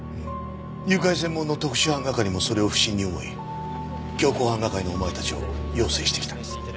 誘拐専門の特殊犯係もそれを不審に思い強行犯係のお前たちを要請してきた。